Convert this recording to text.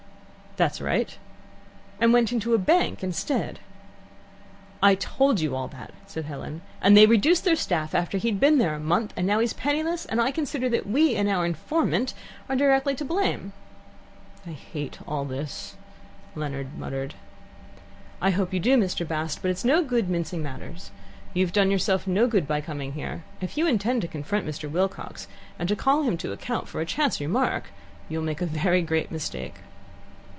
"That's right." "And went into a bank instead?" "I told you all that," said Helen; "and they reduced their staff after he had been in a month, and now he's penniless, and I consider that we and our informant are directly to blame." "I hate all this," Leonard muttered. "I hope you do, Mr. Bast. But it's no good mincing matters. You have done yourself no good by coming here. If you intend to confront Mr. Wilcox, and to call him to account for a chance remark, you will make a very great mistake."